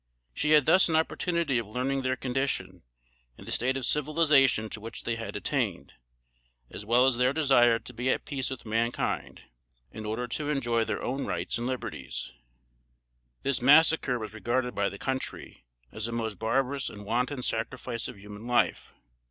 She had thus an opportunity of learning their condition, and the state of civilization to which they had attained, as well as their desire to be at peace with mankind, in order to enjoy their own rights and liberties. [Sidenote: 1818.] This massacre was regarded by the country as a most barbarous and wanton sacrifice of human life.